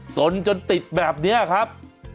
สนจนติดแบบนี้ครับ